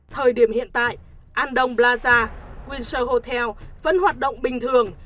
thời điểm hiện tại andong plaza windsor hotel vẫn hoạt động bình thường